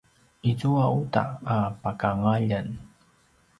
izua uta a pakangaljen